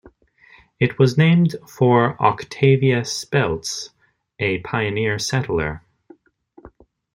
It was named for Octavia Speltz, a pioneer settler.